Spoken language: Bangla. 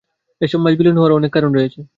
এসব মাছ বিলীন হওয়ার অনেক কারণ রয়েছে।